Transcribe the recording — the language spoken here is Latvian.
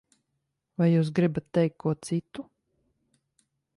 Vai jūs gribat teikt ko citu?